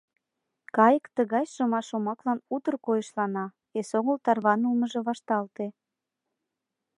Кайык тыгай шыма шомаклан утыр койышлана, эсогыл тарванылмыже вашталте.